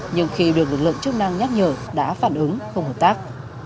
nhưng khi được lực lượng chức năng nhắc nhở đã phản ứng không hợp tác